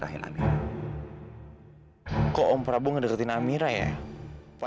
kemana rumahnya rizky kebakaran pak